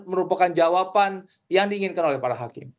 merupakan jawaban yang diinginkan oleh para hakim